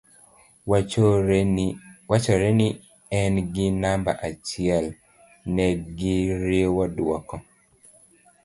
wachore ni en gi namba achiel negiriwo duoko